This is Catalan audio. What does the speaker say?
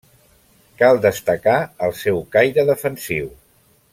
Cal destacar el seu caire defensiu.